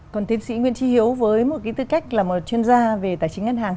còn tiến sĩ nguyễn tri hiếu với một cái tư cách là một chuyên gia về tài chính ngân hàng